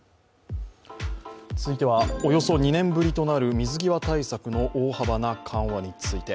続いては、およそ２年ぶりとなる水際対策の大幅な緩和について。